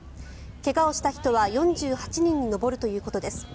怪我をした人は４８人に上るということです。